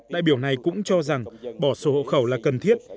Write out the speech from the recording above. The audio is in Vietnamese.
đại biểu này cũng cho rằng bỏ sổ hộ khẩu là cần thiết